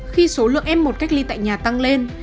khi số lượng f một cách ly tại nhà tăng lên